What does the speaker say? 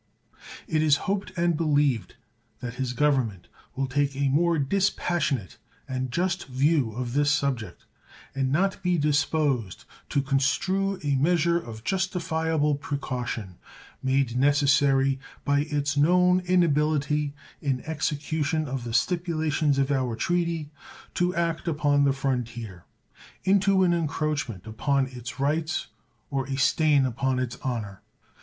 It is hoped and believed that his Government will take a more dispassionate and just view of this subject, and not be disposed to construe a measure of justifiable precaution, made necessary by its known inability in execution of the stipulations of our treaty to act upon the frontier, into an encroachment upon its rights or a stain upon its honor.